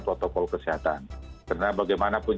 protokol kesehatan karena bagaimanapun